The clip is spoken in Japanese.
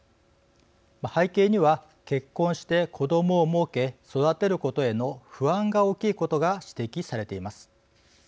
背景には結婚して子どもを設け育てることへの不安が大きいことが指摘されています。